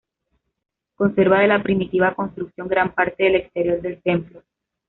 Conserva de la primitiva construcción gran parte del exterior del templo.